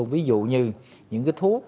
ví dụ như những thuốc